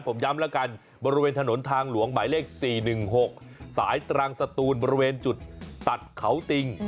ผมย้ำแล้วกันบริเวณถนนทางหลวงหมายเลข๔๑๖สายตรังสตูนบริเวณจุดตัดเขาติ่ง